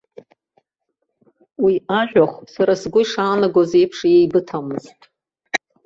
Уи ажәахә сара сгәы ишаанагоз еиԥш еибыҭамызт.